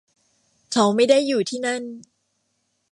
เขาไม่ได้อยู่ที่นั่น